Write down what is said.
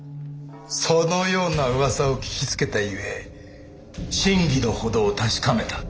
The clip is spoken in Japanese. そのようなうわさを聞きつけたゆえ真偽の程を確かめた。